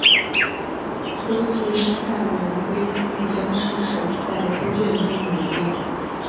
周玘杀害了王恢并将尸首在猪圈中埋掉。